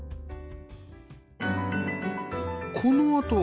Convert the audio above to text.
このあと